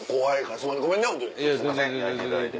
すいません焼いていただいて。